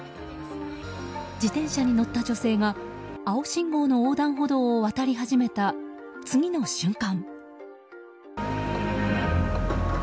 自転車に乗った女性が青信号の横断歩道を渡り始めた次の瞬間。